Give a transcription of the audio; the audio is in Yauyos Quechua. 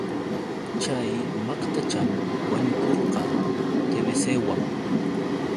Chay maqtacham wañukurqa TBCwan.